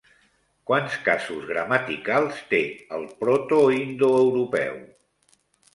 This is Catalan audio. Quants casos gramaticals té el protoindoeuropeu?